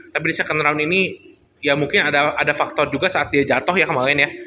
tapi di second round ini ya mungkin ada faktor juga saat dia jatuh ya kemarin ya